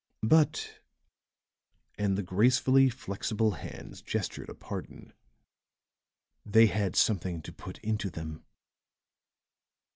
But," and the gracefully flexible hands gestured a pardon, "they had something to put into them.